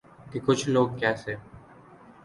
کہ ’کچھ لوگ کیسے